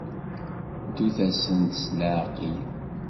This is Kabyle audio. Ddut-asent s leɛqel.